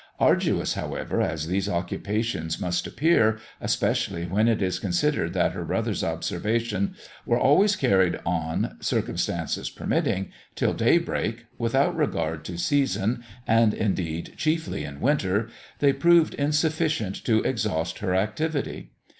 Arduous, however, as these occupations must appear, especially when it is considered that her brother's observations were always carried on (circumstances permitting) till daybreak, without regard to season, and indeed chiefly in winter, they proved insufficient to exhaust her activity.